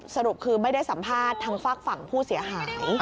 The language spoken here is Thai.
สรุปคือไม่ได้สัมภาษณ์ทางฝากฝั่งผู้เสียหาย